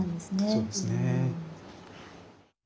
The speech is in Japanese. そうですね。